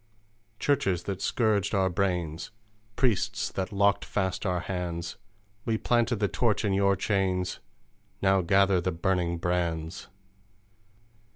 "Churches that scourged our brains, Priests that locked fast our hands! We planted the torch in Your chains: Now gather the burning brands!